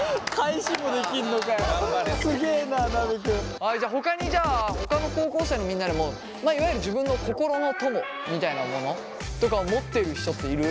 はいほかにじゃあほかの高校生のみんなにもいわゆる自分の心の友みたいなモノとかを持ってる人っている？